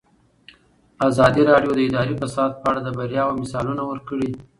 ازادي راډیو د اداري فساد په اړه د بریاوو مثالونه ورکړي.